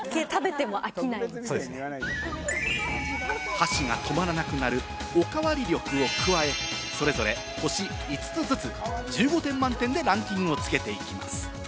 箸が止まらなくなる、おかわり力を加え、それぞれ星５つずつ、１５点満点でランキングをつけていきます。